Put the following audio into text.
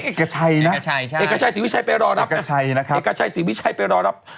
เอกชัยนะเอกชัยศรีวิชัยไปรอรับนะเอกชัยศรีวิชัยไปรอรับ